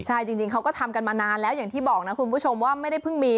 ใช่จริงเขาก็ทำกันมานานแล้วอย่างที่บอกนะคุณผู้ชมว่าไม่ได้เพิ่งมี